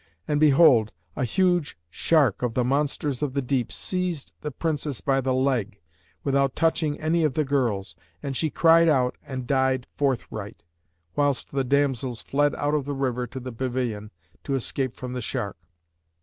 And behold, a huge shark of the monsters of the deep seized the Princess by the leg, without touching any of the girls; and she cried out and died forthright, whilst the damsels fled out of the river to the pavilion, to escape from the shark.